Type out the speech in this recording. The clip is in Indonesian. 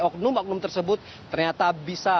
oknum oknum tersebut ternyata bisa